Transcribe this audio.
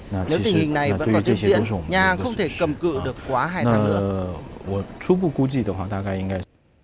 nếu tình hình này vẫn còn tiếp diễn nhà không thể cầm cự được quá hai tháng nữa